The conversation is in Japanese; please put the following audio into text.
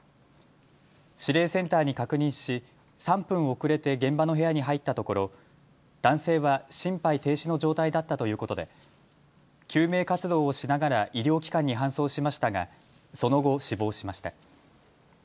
指令センターに確認し３分遅れて現場の部屋に入ったところ、男性は心肺停止の状態だったということで救命活動をしながら医療機関に搬送しましたがその後、死亡しました。